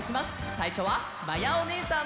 さいしょはまやおねえさん。